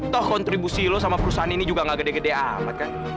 toh kontribusi lo sama perusahaan ini juga gak gede gede amat kan